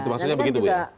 maksudnya begitu ya